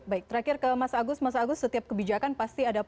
oke baik terakhir ke mas agus mas agus setiap kebijakan pasti ada pro dan kolo